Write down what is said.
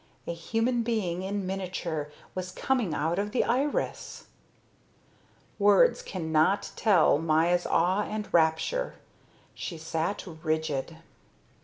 A human being in miniature was coming up out of the iris. Words cannot tell Maya's awe and rapture. She sat rigid.